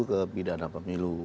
ke pidana pemilu